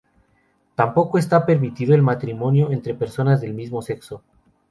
Tampoco está permitido el matrimonio entre personas del mismo sexo.